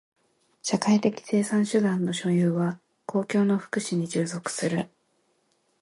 社会的生産手段の所有は公共の福祉に従属する。